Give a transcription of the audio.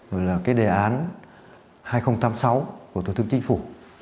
rồi là cái đề án hai nghìn tám mươi sáu của thủ tướng chính phủ